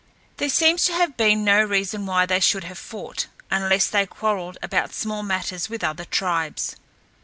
There seems to have been no reason why they should have fought, unless they quarrelled about small matters with other tribes.